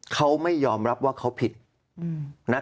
เขาไม่ยอมรับว่าเขาผิดนะครับ